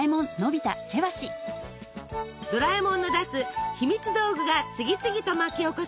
ドラえもんの出す「ひみつ道具」が次々と巻き起こす